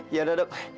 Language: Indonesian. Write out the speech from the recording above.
ya udah dok